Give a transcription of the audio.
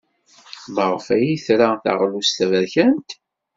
Maɣef ay tra taɣlust taberkant?